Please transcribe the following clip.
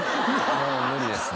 もう無理ですね。